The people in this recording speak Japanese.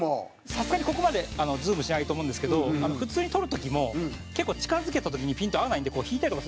さすがにここまでズームしないと思うんですけど普通に撮る時も近付けた時にピント合わないので引いたりとかするじゃないですか。